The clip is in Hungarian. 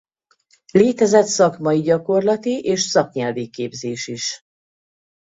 Létezett szakmai-gyakorlati és szaknyelvi képzés is.